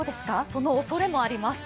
そのおそれもあります。